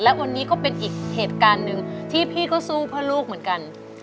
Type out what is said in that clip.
และวันนี้ก็เป็นอีกเหตุการณ์หนึ่งที่พี่ก็สู้เพื่อลูกเหมือนกัน